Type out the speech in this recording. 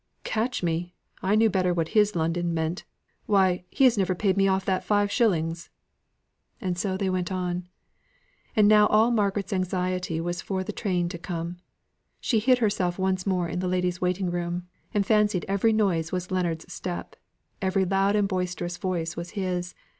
"Catch me! I knew better what his London meant. Why, he has never paid me off that five shillings" and so they went on. And now all Margaret's anxiety was for the train to come. She hid herself once more in the ladies' waiting room, and fancied every noise was Leonards' step every loud and boisterous voice was his.